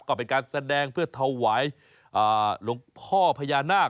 ก็เป็นการแสดงเพื่อถวายหลวงพ่อพญานาค